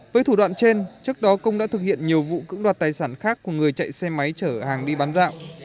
với thủ đoạn trên trước đó công đã thực hiện nhiều vụ cưỡng đoạt tài sản khác của người chạy xe máy chở hàng đi bán dạo